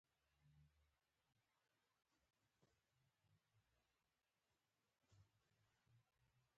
لیکوالان مقالې د انلاین سیستم له لارې سپاري.